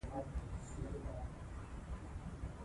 اداره باید د قانون له سرغړونې ډډه وکړي.